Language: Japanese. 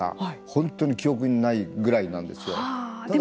本当に記憶にないぐらいなんですよ。